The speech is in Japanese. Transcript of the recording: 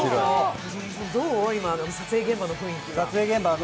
どう、今、撮影現場の雰囲気は？